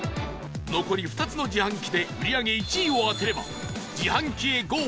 残り２つの自販機で売り上げ１位を当てれば自販機へゴー！